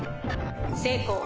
成功。